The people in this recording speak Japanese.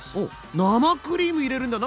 生クリーム入れるんだ！